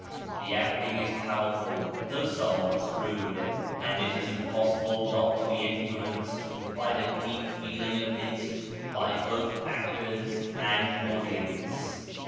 The actinrr is powerful, tliougli somewhat crude, and it is impossible not to be influenced by the deep feeling evinced by both actors and audience.